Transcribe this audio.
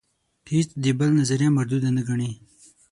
هیڅ د بل نظریه مرودوده نه ګڼي.